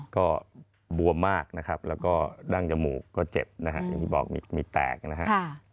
ก็บวมมากนะครับแล้วก็ดั้งจมูกก็เจ็บนะฮะอย่างที่บอกมีแตกนะครับ